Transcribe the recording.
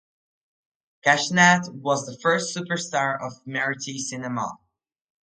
Kashinath was the first superstar of Marathi cinema.